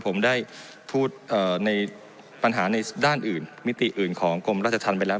ผมได้พูดในปัญหาในด้านอื่นมิติอื่นของกรมราชธรรมไปแล้ว